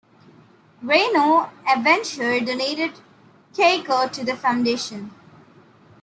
Reino Aventure donated Keiko to the Foundation.